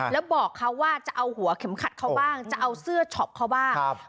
แล้วบอกเขาว่าจะเอาหัวเข็มขัดเขาบ้างจะเอาเสื้อช็อปเขาบ้าง